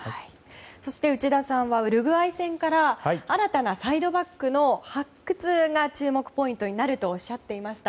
そして内田さんはウルグアイ戦から新たなサイドバックの発掘が注目ポイントになるとおっしゃっていました。